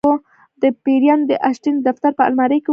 دا پیریان د اسټین د دفتر په المارۍ کې اوسیدل